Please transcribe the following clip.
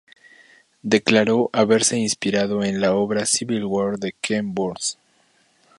Declaró haberse inspirado en la obra Civil War de Ken Burns.